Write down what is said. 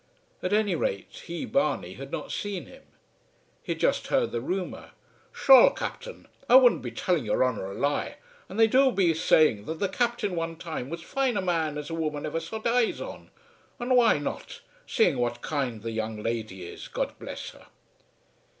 At any rate he, Barney, had not seen him. He had just heard the rumour. "Shure, Captain, I wouldn't be telling yer honour a lie; and they do be saying that the Captain one time was as fine a man as a woman ever sot eyes on; and why not, seeing what kind the young lady is, God bless her!"